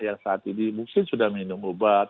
yang saat ini mungkin sudah minum obat